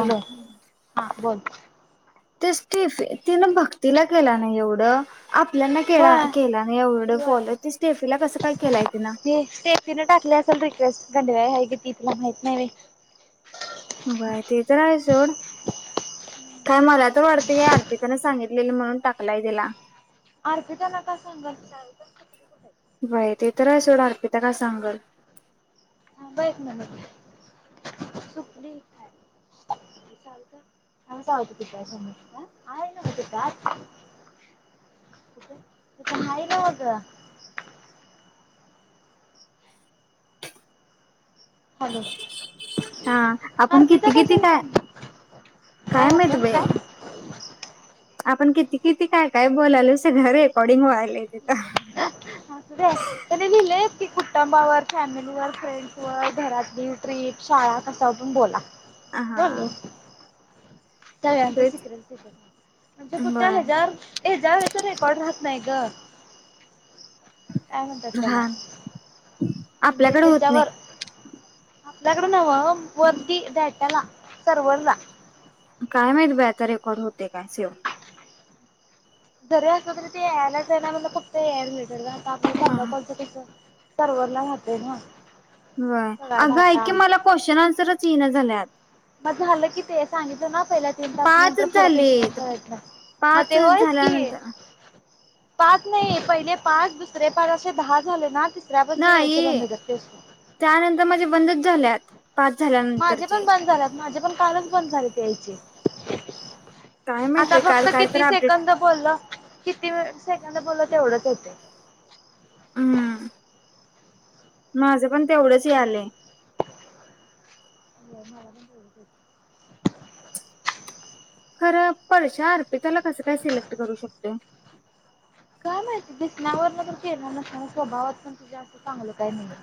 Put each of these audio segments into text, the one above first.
Hello हा बोल ते्टिफि तिनं भक्तीला केला ना एवढं आपल्याना के होय केला नाही एवढं होय फॉलो ते स्टेफीला कसं काय केलंय ति ना क वय हग त तला माहितती नाहीे बाय ते तर आहे सोड काय मला तर वाटत का अर्पिताने सांगितलेलं म्हणून टाकलाय तिला अरख त्याला काय सांगायचंठ त्र सोडणार पिता का सांगल हा बई म्ह सुपलीत तय समज आहे न त का त खयला ग हॅल हा आपण किती किती काय काय मत आपण बाई काय आपण किती किती काय काय बोलाल स घं रेकॉर्डिंग व्हायलाय तिथं अस त्याने लिहिले की कुटुंबावर फॅमिली व फ्रेंड्स व घरातली ट्रीप शाळा कसा वाटून बोला ह हा त्याळ्यांतर तेच सिक्रेल स म्हणजे कुठे बर हच्या हजचा रेकॉर्ड राहत नाही ग काय म्हणतात चला रान म्हणजे आपल्याकडे होत नाही हच्यावर आपल्याकडून हवं वर्दी द्याटला सर्वरला काय माहित बाई आत्ता रेकॉर्ड होते काय सेव्ह जरी असलं तरी ते यायलाचणार म्हला फक्त यायला मिटल का काका हा कांदा करतोय तुझ सर्वरला राहातय ना सगळा अग डाटा क मला क्वेश्न अंस्वर र येन झाल्यात मग झालं कि ते सांगितल ना पहिल्या तीन तास नंतर पाचच पुढं झालेत पेशनंत मग पाच ते होयच की झाल्यानंतर पाच नाही पहिले पाच दुसरे पाच असे दहा झाले ना तिसऱ्यापासून यायचे नाही बंद होतात पेशंट त्यानंतर माझे बंदच झालेत पाच माझे पण झाल्यानंतरचे बंद झालेत माझे पण कालच बंद झाले यायचे काय माहित आता बाई काल फक्त काय तर किती अपडेट सेकंद बोलल कितीे त्यां बोल एवढंच येते हम्म माझं पण तेवढंच आलेय म म खरं परश्या अर्पिताला कसं काय सिलेक्ट करू शकतोय काय माहिती दिसण्या वरून तर केला नसेल स्वभावात पण अस चांगलं काय नाहीे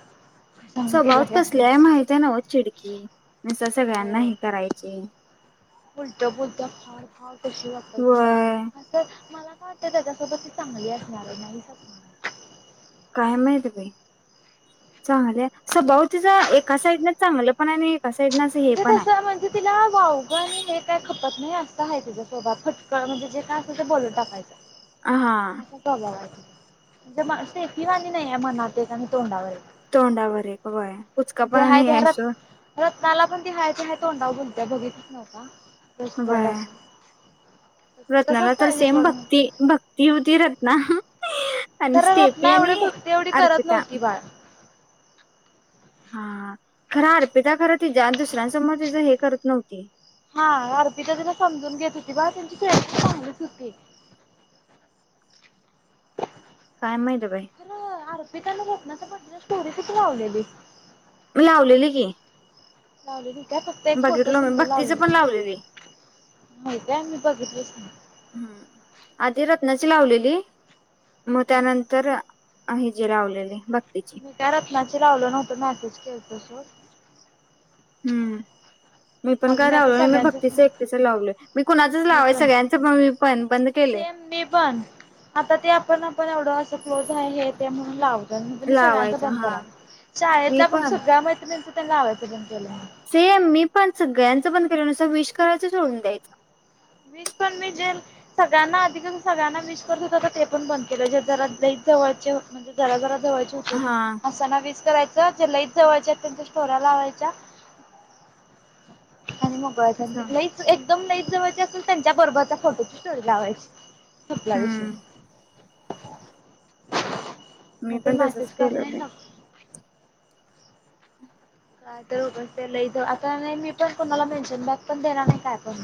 स्वभावात कसली आहे माहित आहे नव चिडकी नुसता सगळ्यांना हे करायचे उलट बोलत्या फाड फाड कशी वाटत व्हय तशी मला वाटत त्याच्यासोबत ती चांगली असणार नाही सपणार काय माहिती बाई स्वभाव तिचा एका साइडने चांगलं पण आहे आणि साईडनं असं हे पण तस आहे म्हणजे तिला वावग आणि हे काय अस आहे तिचा स्वभाव फटकळ म्हणजे जे काय असं ते बोलून हा टाकायचं अस झालाय वाटत म्हणजे स्टेफी वणी नाही मनात एक आणि तोंडावर एक तोंडावर एक व्हय जे हाय ते हाय र रत्नाला पण तेहायचे तोंडावर बोलत्या बघितलिस नव का बेस्ट फ्रेंड बर असून. रत्नाला तसंच तर पाहिजे सेम सोड मग भक्ती भक्ती होती रत्ना आणि खरं स्टेपी रत्ना एवढे आणि भक्ते एवढी करत अर्पिता नव्हती बाळ हा खरा अर्पिता खरं ्या दुसऱ्यांसमोर तिझ हे करत नव्हं ते हा अर्पिता तिला समजून घेत होती बा त्यांची पेळची चांगलीच होती काय माहिती बाय बी त्यां रोकना तर प स्टोरीचिक लावलेली मी लावलेली की ह रेडी का फक्त एक फोटो बघितलो मी समजर लावले भक्तीचं पण लावलेली माहित आहे मी बघितलंच ना हम्म आधी रत्नाची लावलेली मग त्यानंतर आहे जे रावलेले बघ मी का रखला लावलं नव्हत मॅसेज के तस हम्म पण अग काय मी आता लावलो नाही सगळ्यांच भक्तीच एकटीच लावलोय मी कुणाचच मी लावाय पण सगळ्यांचं पण मी पण बंद केलंय सेम मी पण आता ते आपण आपण एवढं अस क्लोज आहे हे ते म्हणून लावत म्हण मी सगळ्यांच लावायचं बंद हा करावं मी शाळेतला आपण पण सगळ्या मैत्रिणी त्यांनावत सेम मी पण सगळ्यांचं बण केलं नसं विष करायचं सोडून द्यायचं विश पण मी जे सगळ्यांना अधिक सगळ्यांना विश करत होत तर ते पण बंद केलं जे ज जवळचे म्हणजे जरार हा असताना वीज कराय च चे लईत जवळच्या त्यांच्या स्टोर्‍या लावायच्या आणि मग असं बायकांची लईच एक दम लईच जवळच्या क त्यांच्या बरोबरच्या फोटोची स्टोरी लावायची सपला विषय. हम्म म मी तर पण तसच मॅसेज केलं करणे मी सम नाय तर उगाच ते लई ज आता नई मी पण कोणाला मेन्शन बॅग पण देणार नाही काय पण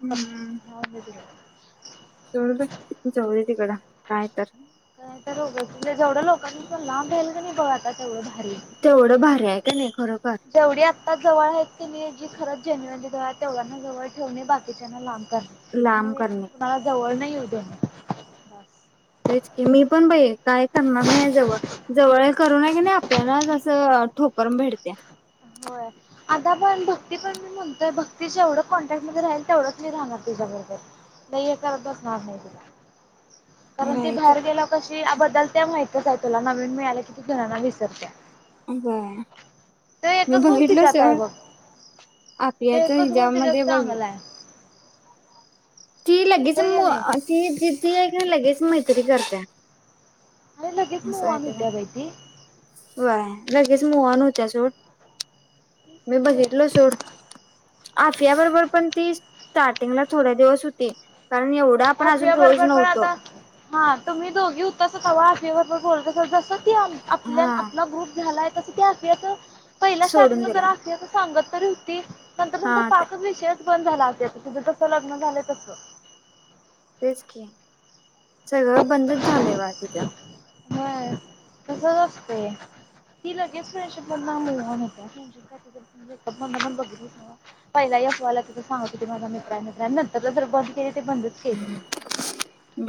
हम्म ह. सोड बै जाऊ दे तिकड काय तर. नाही तरं उगच लई जेवढं लोकांनी पण लांब राहील की नाही डो आता तेवढं हॅलो तेवढं भारी आहे का नाही खरोखर जेवढी आता जवळ आहेत की नई जी खरं जेन्यूइन जी जे आहेत तेवढांना जवळ ठेवणे बाकीच्याना लांब लांब आणि करणे मला जवळ नाही येऊ देत. [inaudible] तेच की मी पण बइ काय करणार नाही जवळ, जवळ करू न की नाही आपल्यालाच असं ठोकर भेडत्या. होय आता पण भक्ती पण मी म्हणतोय भक्तीशी जेवढं कॉन्टॅक्ट मध्ये राहील तेवढंच ती राहणार तुझ्याबरोबर, नाही हे करत बसणार नाही तुला. कारण ती राहायचं बाहेर गेल्यावर कशी याबद्दल ते माहि कसय तुला नवीन मिळालं की तू जुन्याना विसरत्या. बर. ते मी एकच गुण बघितल तिच्यात स आहे बघ ते आपियाच एकच गुण तिच्यात हिजाबमध्ये बघि चांगला आहे. ती लागेच होय की म नाही ती जीते की लगेच मैत्री करत्या. अरे लगेच मोवन होत्या बाहिती. वय लगेच मोहान होत्या सोड. मी बघितल सोड. आफिया बरोबर पण ती ताठ तिनला थोड्या दिवस होत ते असया बरोबर पण आता हा तुम्ही दोघी ऊतस तवा तवा [unintelligible] होत जसन ती आन आपल्यात हा आपला ग्रुप झालाय नुसते अभ्यासच पहिला सोडून स्टार्टिंगला दिला जरा असल्या तर सांगत कारण ते नंतर हा नंतर ते पाकच विषय पण झालं असेल तुझ कसं लग्न झालंय तस. क [unintelligible] सगळं बंदच झालं वा तिथं तसच असते ती लगेच फेंश मु होत फ बघ पहिला या असवाल तिझ सांगत म मयन नंतर बंद के ते बंद के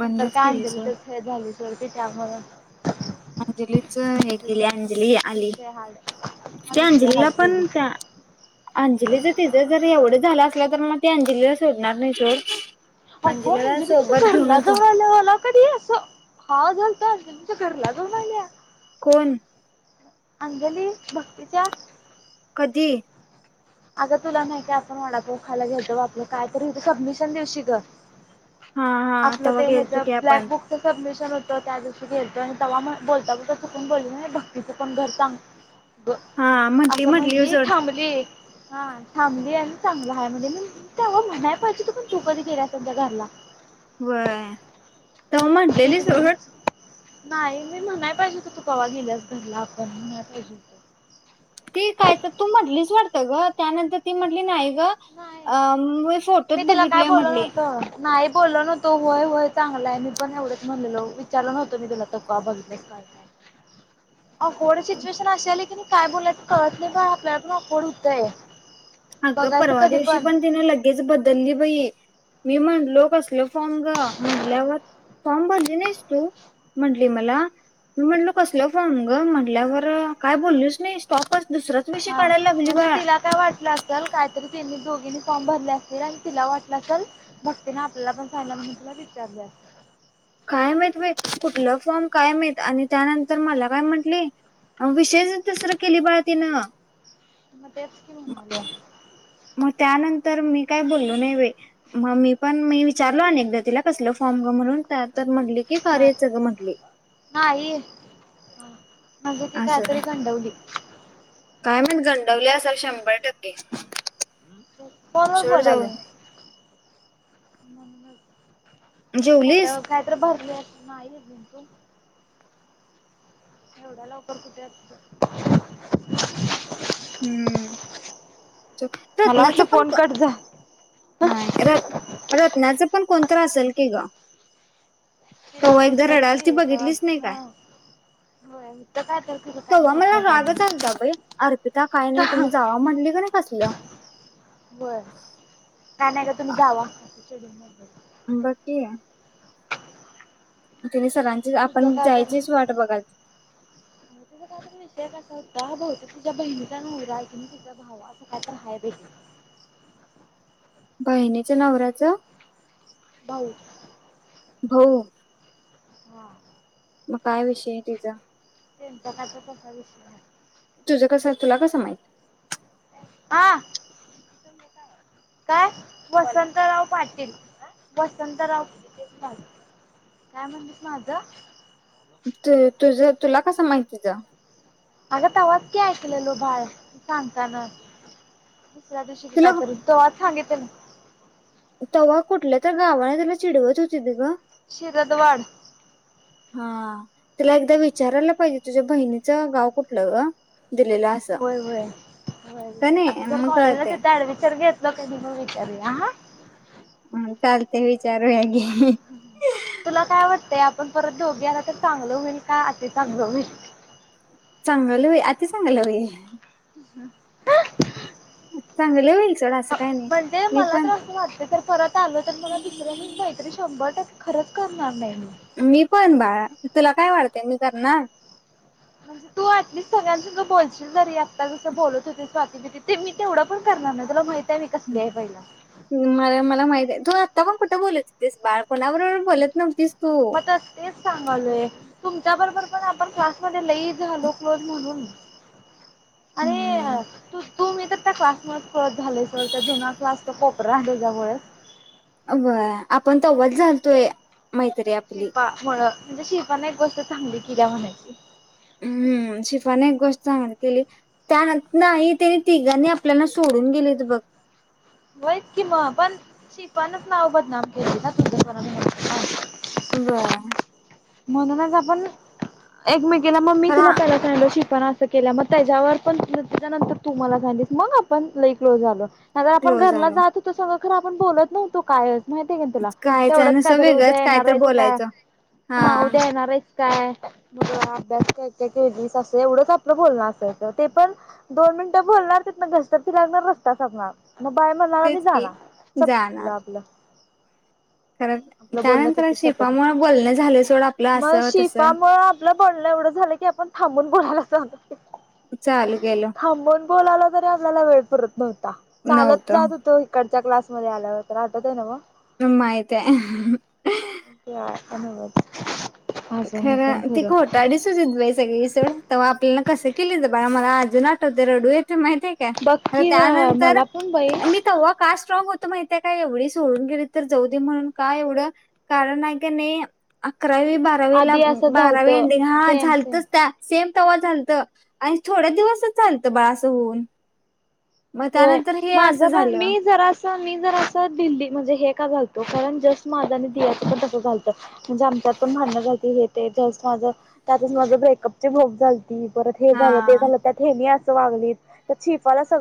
नंतर काय केली सोड अ झालेशवर की त्यामुळे अंजलीच अंजली आली विषय हार्ड हा विषय अंजलीला हार्ड केली. पण त्या अंजलीच त जर एवढ झालं अस तर अंज [unintelligible] सर नंद सर [inaudible] अण म्हणजे त लगवायलाला [unintelligible] कधी अस हा झालत करला [unintelligible] जान आल्या कोण अंजली भक्तीच्या कधी अगं तुला नाही का आपण वडापोखायला घेतेतो [unintelligible] वा आपलं काय तरी इथे सबमिशन देवशी ग हा हा आपलं तेव्हा ते गेलतो ह्या की आपण ब्लॅकबुक तर सबमिश होत त्या दिवशी गेतो [unintelligible] आणि तेव [unintelligible] बोलता बोल चकून बोलल बक्की [unintelligible] चकून घर सांग ब हा म्हटली असं म्हटली म्हणजे सोड थांबली हा थांबली आहे आणि चांगला आहे म्हण म तेव्हा म्हणाय पाहिजे तू पण तू कधी गेला सध्या [unintelligible] घरला वर [unintelligible] त ते म्हटलेली सट [unintelligible] तुझ्याच नाही मी म्हणाय पाहिजे हो तू गवा गेल्यास घरला आपण म्हणाय पाहिजे हो ती काय तर तू म्हटलीच वाटतं ग त्यानंतर ती म्हटली नाही नाही म [unintelligible] फोटोच बघितलंय म्हटले बोलल नव्हतो होय होय चांगलाय मी पण एवढंच म्हणलेलो विचारल नव्हतो मी तुला त बघितलंस काय काय अ होोड सिच्युएशन असश आ की काय बुलेटस कळतले का आपल्यातून अकवड होतंय अगं बघायचं परवा द कधी दिवशी पण तिने लगेच बदलली बई मी म्हटलो कसल फॉर्म ग म्हटल्यावर फॉर्म भरले नाहीस तू म्हटली मला मी म्हंटलो कसल फॉर्म ग म्हटल्यावर काय बोललच नाही स्टॉपच दुसराच विषय काढायला लागज बा च काहीतरी त्यांनी दोघीनी फॉर्म भरले असतील आणि तिला वाटलं तरल भघते ना आपल्याला पण झालं म्हणून तुला विचारले अस कायमेत कुठलं फॉर्म कायम येत आणि त्यानंतर मला काय म्हंटले विषय तसरं केली बाळ तिनं म मग त्यानंतर मी काय बलो नाही मग मी पण मी विचारल अकदा तिला कस फॉर्मरून तर म्हटली कि नाही कार्यच म्हटली माझी ती असं कायत्री खंडवली काय म्ह जंडवले असाल शंभर टक्के कोण ब सोड बोलाले जाऊन म खट जेवलीस? काय तर भरले नाही बक एवढा लवकर कुठे आ हम्म मला वाटलं रत्नाचं पण फोन कट झा नाही रत् रत्नाचं पण कोणत असेल की ग तिला तेव्हा एकदा होतात रडायला ती की बघितलीच नाही काय हा होय तर काय तर खरं काय तेव्हा माहित मला नाही काय राग चालता बाई अर्पिता काय नाही तुम्ही जावा म्हटली का नाही कसलं का नाही का तुम्ही जा्यावा चलून म बाकी आहे तने सरांची तुझं आपण काय तर जायचीच तुझा वाट बघा का भात तुझ्या बहिणीचा न राय की तुझ भाव असं काय तर हय बे बहिणीच नवरा्याच भाऊ. भाऊ वा. मग काय विषय तिचा. त्यांच्या कसा विस. तुझं कस तुला कसं माहित? हा काय वसंतराव पाटील वसंतराव पा काय म्हणतेस माझं त तुझ तुला कसं माहितीच. अग तेव्हाच ऐकलेलो बाय सांगताना. दिवशी तिला काय त तो आज सांग. तवा्हा कुठल्या तर गावाने त्याला चिडवत होती ते ग. शिरद्वाड. हा तिला एकदा विचारायला पाहिजे तुझ्या बहिणीचं गाव कुठलं ग? दिलेलं असं होय होय का हो नाही आता जर मग कॉलेजला कळते तर ऍडमिशन घेत लो का ब विचार ह. हम चालते विचारू ह ग. ते आपण परत दोघे आला तर चांगलं होईल का अस चांगलं होईल. सांगलो आता सांगालई. ह. चांगलं होईल सोड असं काय नाही म्हणजे मी मला तर पण असं वाट तर परत आल तर मला दुसरं मीैत्री शंभर टे खरंच करणार नाही. मी पण बाळा तुला काय वाटते मी करणार. म्हणजे तू अऍटलिस्ट सगळ्यांसं बोलशील जरी आत्ता जसं बोलत होते स्वाती भीती ते मी तेवढं पण करणार ना तुला माहिती. ् मला मला माहित आहे तू आ कोण कुठं बोलत होतीस बाळ कोणा बरोबर बोलत नव्हतीस. तू मग त तेच सांगालोय. तुमच्या बरोबर पण आपण क्लासमध्येध्ये लई झालो क्लोज म्हणून. हम्म. तू्ी तर त्या क्लासमध्ये कळत झाले सर त्या जुना क्लास तर कोप राले जमुळेस. बरं आपण तेव्हाच झालतोय मैत्री आपली. शिल्पा मुळ म्हणजे शिल्पाने एक गोष्ट चांगली किल्या्या म्हणायची. हम्म शिफने एक गोष्ट चांगली केली त्यान नाही त्यानी तिघांनी आपल्याला सोडून गेलेत बघ. होयत कि मग पण शिफान च नाव बदनाम केले का तुझ ब व म्हणूनच आपण एक मि ग म्ी खरा तुला पहिला फ्रंड श पण असं केल्या मग त्याच्यावर पण त्याच्यानंतर तू मला सांगितस मग आपण लई क्लोज झालो. अगर आपण क्लोज घरला झालो जातो तर सज र आपण बोलत नव्हतो कायच माहती आहे का ना तुला कायच तेवढंत का नुसतं तरी वेगळंच उद्या काय तर नारायज काय बोलायचं हा उद्या येणार आहेच काय अभ्यास काय काय केलीस असं एवढंच आपलं बोलणं असायचं ते पण दोन मिनिटं बोलणार ना घस्त ती लागणार रस्तचगणार म बाय म्हला आणि तेच की जाणार सपलं आपलं. कारण आपलं बोलणं त्यानंतर तिथं संपत होतं. शिपामुळे बोलणे झाले. मग शिफा मु आपलं बनण एवढं झालं की आपण थांबून. कोला अस [unintelligible] चालू गेलो. बोल आला तरी आपल्याला वेळ पडत म. चालत जात नव्हतं होत इकड. च्या क्लासमध्ये आल्यावर तर आठवत आहे ना मग. [unintelligible] ह्य ते धन्यवाद. खरं ती खोटाडीसचत बाई सगळी. आपल्याला कस केले तर ब मला अजून आठवत रडू. माहीती का बघ की त्यानंतर मला पण बाई मी तव्हा का. होत माहि का एवढी सोडून गेली, तर जाऊ दे म्हणून का एवढ कारण आहे अकरावी. बारावी ला आधी असं झालत बारावी अंडी हा सेम सेम झालतच त्या सेम. त्हा चालत आणि थोड दिवसच चालतं बाळ असं होऊन. मग होय त्यानंतर हे असं माझं पण झालं मी जरा अस मी जरा अस दिल्ली म्हणजे हे. घतो कारण जस्ट माझा आणि दियाच पण तसं घालत म्हणजे आमच्यात पण भणं झाात हे ते जस्ट माझ त्यातच माझ ब्रेकअप ची भोकल. ती परत हे झालं ते हा झालं त्या हेनी. [inaudible]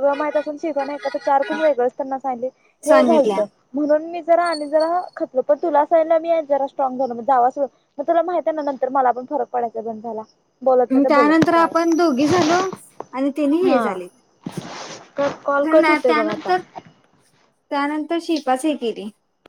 [inaudible] जरा सांगितल्या आणि जरा खतलं पण तुला असायला मी जरा स्ट्रॉंग झालो जावाच मग तुला माहिित आहे ना नंतर मला पण फरक पडायचा पण झाला. बोलत नाही तर बोलत त्यानंतर नाही जावा आपण दोघी झालो आणि तिने हे हा झाले. कॉल खरं कट ना. होतय बघ आता त्यानंतर त्यानंतर शिपाच केली.